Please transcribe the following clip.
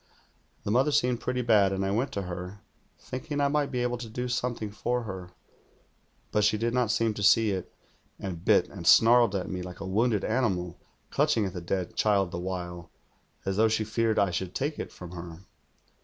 The mother seemed pretty bad, antl I went to her, thinking I might be able to do something for her; THE GHOUL 119 but she did not seem to see It, and bit and snarled at tne like a wounded animal, clutching at the dead child the while, as though she feared I should take it from her.